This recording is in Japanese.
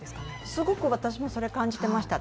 すごく私もそれを感じていました。